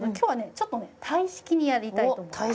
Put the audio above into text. ちょっとねタイ式にやりたいと思います